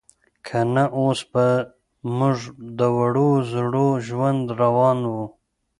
که نه اوس به زموږ د وړو زړو ژوند روان و.